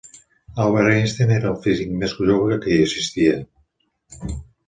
Albert Einstein era el físic més jove que hi assistia.